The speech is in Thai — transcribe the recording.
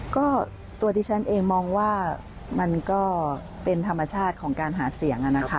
ก็ตัวดิฉันเองมองว่ามันก็เป็นธรรมชาติของการหาเสียง